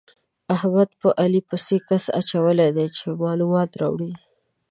احمد په علي پسې کس اچولی دی چې مالومات راوړي.